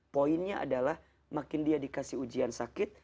poinnya adalah makin dia dikasih ujian sakit